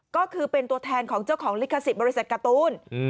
ก็คือเป็นตัวแทนของเจ้าของลิขสิทธิบริษัทการ์ตูน